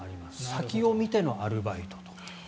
先を見てのアルバイト。